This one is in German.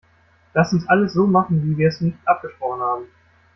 Lasst uns alles so machen, wie wir es nicht abgesprochen haben!